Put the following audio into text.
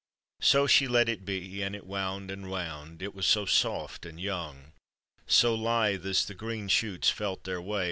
1 So she let it be, and it wound and wound, It was so soft and young, So lithe as the green shoots felt their way.